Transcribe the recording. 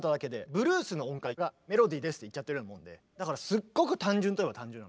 ブルースの音階がメロディーですって言っちゃってるようなもんでだからすっごく単純といえば単純。